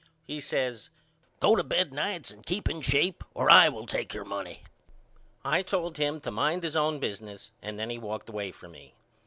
He says Go to bed nights and keep in shape or I will take your money. I told him to mind his own business and then he walked away from me.